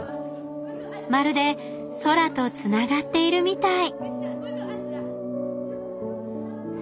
まるで空とつながっているみたい！